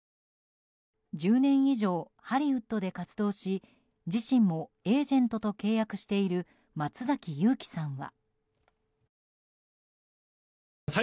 １０年以上、ハリウッドで活動し自身もエージェントと契約している松崎悠希さんは。